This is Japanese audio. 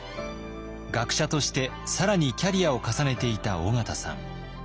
学者として更にキャリアを重ねていた緒方さん。